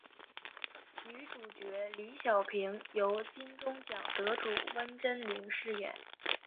女主角李晓萍由金钟奖得主温贞菱饰演。